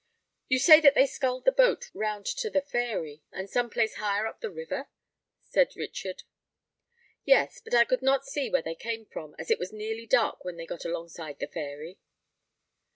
"You say that they sculled the boat round to the Fairy, from some place higher up the river?" said Richard. "Yes. But I could not see where they came from, as it was nearly dark when they got alongside the Fairy."